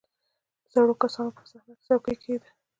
• د زړو کسانو لپاره په صحنه کې څوکۍ کښېږده.